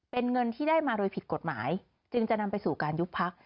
เป็นเงินที่ได้มาโดยผิดกฎหมายจึงจะนำไปสู่การยุบพัก